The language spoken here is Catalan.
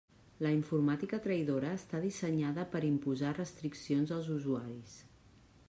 La informàtica traïdora està dissenyada per imposar restriccions als usuaris.